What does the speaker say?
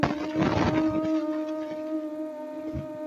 那樣吃不過癮